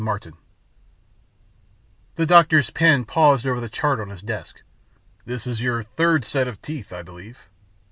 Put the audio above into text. Martin The doctor's pen paused over the chart on his desk, "This is your third set of teeth, I believe?"